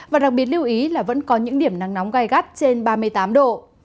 và đặc biệt lưu ý là vẫn có những điểm nắng nóng gai gắt trên ba mươi tám độ